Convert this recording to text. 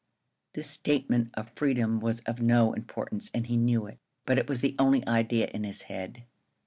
This statement of freedom was of no importance, and he knew it, but it was the only idea in his head.